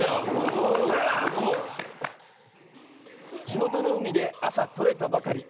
地元の海で朝取れたばかり！